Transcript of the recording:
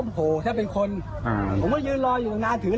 ภาคเราได้อิซิสันสุดแล้ว